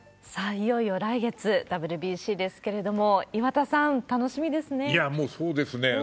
いよいよ来月、ＷＢＣですけれども、岩田さん、いや、もうそうですね。